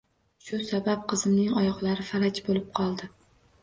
Shu sabab qizimning oyoqlari falaj bo`lib qoldi